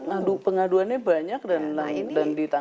banyak pengaduannya banyak dan ditangani